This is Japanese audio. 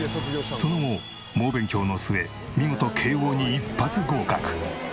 その後猛勉強の末見事慶應に一発合格。